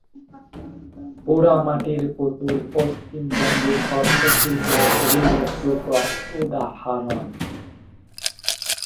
পোড়ামাটির পুতুল পশ্চিমবঙ্গের হস্তশিল্পের একটি উল্লেখযোগ্য উদাহরণ।